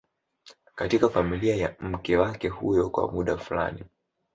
katika familia ya mke wake huyo kwa muda fulani